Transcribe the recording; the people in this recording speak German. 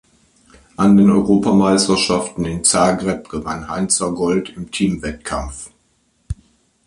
An den Europameisterschaften in Zagreb gewann Heinzer Gold im Teamwettkampf.